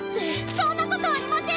そんなことありません！